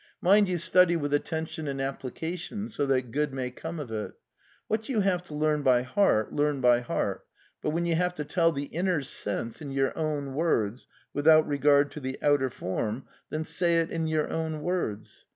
Mind you study with attention and application, so that good may come of it. What you have to learn by heart, learn by heart, but when you have to tell the inner sense in your own words, without regard to the outer form, then say it in your own words.